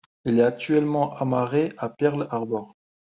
Il est actuellement amarré à Pearl Harbor.